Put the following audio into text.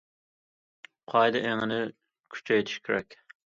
قائىدە ئېڭىنى كۈچەيتىش كېرەك.